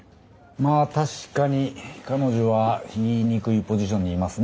まあ確かに彼女は言いにくいポジションにいますね。